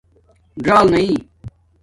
ژݴل نائئ